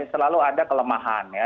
selalu ada kelemahan ya